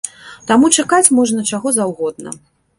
Таму чакаць можна чаго заўгодна!